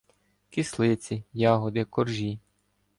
Кислиці, ягоди, коржі